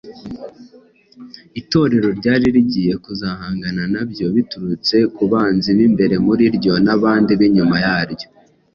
Itorero ryari rigiye kuzahangana na byo biturutse ku banzi b’imbere muri ryo n’abandi b’inyuma yaryo